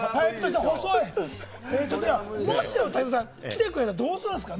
もし大谷さんが来てくれたらどうするんですか？